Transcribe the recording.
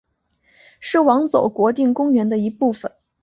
是网走国定公园的一部分。